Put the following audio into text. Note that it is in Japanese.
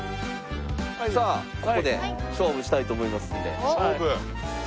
さあここで勝負したいと思いますんで。